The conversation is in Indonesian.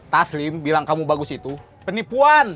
taslim bilang kamu bagus itu penipuan